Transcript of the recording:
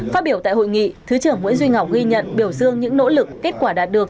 phát biểu tại hội nghị thứ trưởng nguyễn duy ngọc ghi nhận biểu dương những nỗ lực kết quả đạt được